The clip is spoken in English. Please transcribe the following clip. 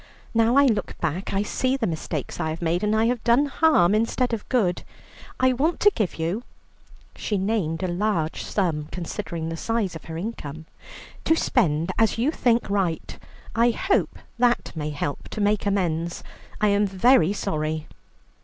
Now I look back, I see the mistakes I have made, and I have done harm instead of good. I want to give you" she named a large sum considering the size of her income "to spend as you think right, I hope that may help to make amends. I am very sorry."